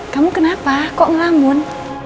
kamu kenapa kok ngelambun